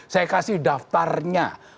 saya kasih daftarnya